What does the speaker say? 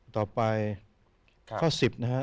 ต่อไปข้อ๑๐นะฮะ